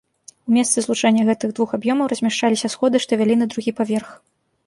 У месцы злучэння гэтых двух аб'ёмаў размяшчаліся сходы, што вялі на другі паверх.